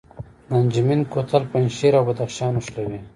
د انجمین کوتل پنجشیر او بدخشان نښلوي